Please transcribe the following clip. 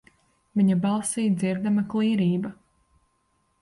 Viņa balsī dzirdama klīrība.